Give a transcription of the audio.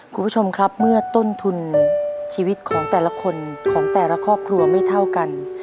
คุณผู้ชมครับเมื่อต้นทุนชีวิตของแต่ละคนของแต่ละครอบครัวไม่เท่ากัน